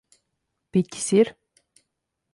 Piķis ir?